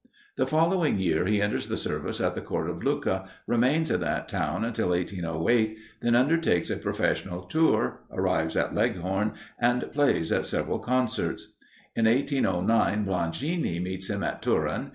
The following year, he enters the service at the Court of Lucca, remains in that town until 1808, then undertakes a professional tour, arrives at Leghorn, and plays at several concerts. In 1809, Blangini meets him at Turin.